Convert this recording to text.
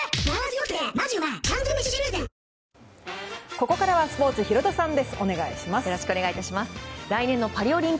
ここからはスポーツヒロドさんです。